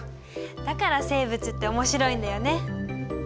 だから生物って面白いんだよね。